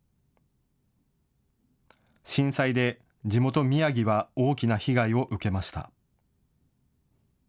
震災で地元・宮城は大きな被害を受けました。